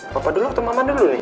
papa dulu atau mama dulu nih